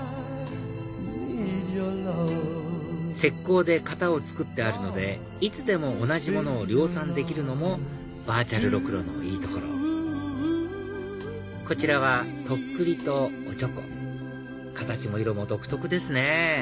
石こうで型を作ってあるのでいつでも同じものを量産できるのもバーチャルろくろのいいところこちらはとっくりとおちょこ形も色も独特ですね